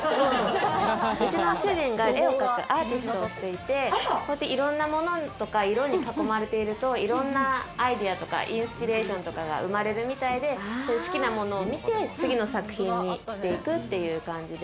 うちの主人が絵を描くアーティストをしていて、いろんなものとか色に囲まれていると、いろんなアイデアとかインスピレーションとかが生まれるみたいで好きなものを見て、次の作品にしていくっていう感じで。